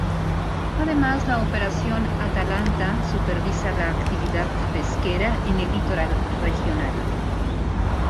Además, la Operación Atalanta supervisa la actividad pesquera en el litoral regional.